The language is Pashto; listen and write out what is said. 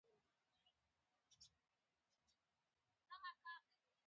بله ورځ مې ولیدل چې د ښار د لوی تياتر ستورى راغی.